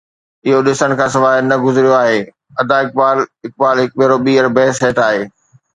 اهو ڏسڻ کان سواءِ نه گذريو آهي.ادا اقبال اقبال هڪ ڀيرو ٻيهر بحث هيٺ آهي.